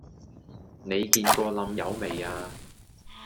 你見過冧友未呀?